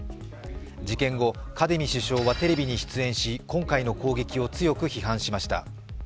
事件後、カディミ首相はテレビに出演し、今回の攻撃を強く批判しました。